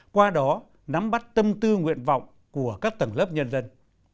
qua đó nắm bắt tâm tư nguyện vọng của các tầng lớp nhân dân